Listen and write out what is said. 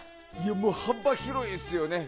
もう幅広いですよね。